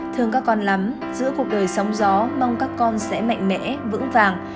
thương các con lắm giữ cuộc đời sóng gió mong các con sẽ mạnh mẽ vững vàng